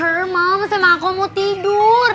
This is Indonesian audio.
her mom sama aku mau tidur